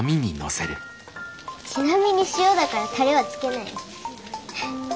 ちなみに塩だからタレはつけないよ。